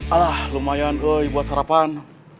alah lumayan woy buat sarapan